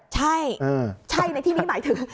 ใช่ใช่ในที่นี้หมายถึง